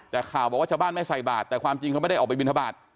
แต่ข่าวบอกว่าชาวบ้านไม่ใส่บาทแต่ความจริงเขาไม่ได้ออกไปบินทบาท